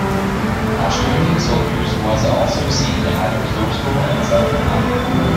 Australian soldiers was also seen as resourceful and self-reliant.